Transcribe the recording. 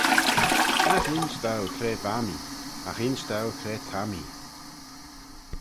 Nagh insh dou cre va mee, agh insh dou cre ta mee